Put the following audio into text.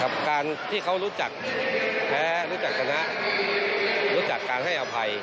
กับการที่เขารู้จักแพ้รู้จักชนะรู้จักการให้อภัย